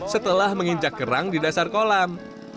setelah menginjak kerang di dasar kolam